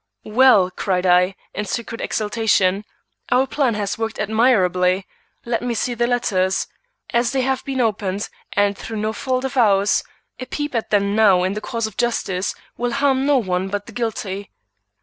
"Well," cried I, in secret exultation, "our plan has worked admirably. Let me see the letters. As they have been opened, and through no fault of ours, a peep at them now in the cause of justice will harm none but the guilty."